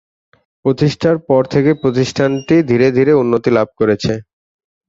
প্রতিষ্ঠার পর থেকেই প্রতিষ্ঠানটি ধীরে ধীরে উন্নতি লাভ করেছে।